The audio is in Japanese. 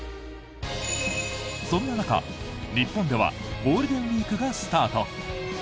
そんな中、日本ではゴールデンウィークがスタート。